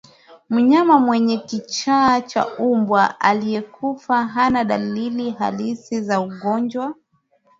Mnyama mwenye kichaa cha mbwa aliyekufa hana dalili halisi za ugonjwa